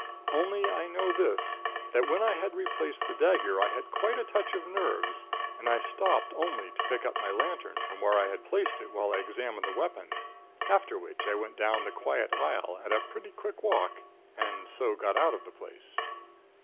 Only I know this, that when I had replaced the dagger I had quite a touch of nerves and I stopped only to pick up my lantern from where I had placed it whilst I examined the weapon, after which I went down the quiet aisle at a pretty quick walk, and so got out of the place.